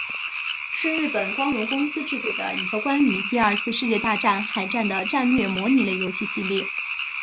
是日本光荣公司制作的一个关于第二次世界大战海战的战略模拟类游戏系列。